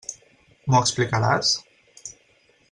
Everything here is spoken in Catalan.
M'ho explicaràs?